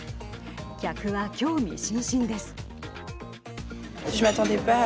客は興味津々です。